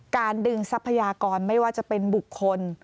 การดึงทรัพยากรไม่ว่าจะเป็นบุคคล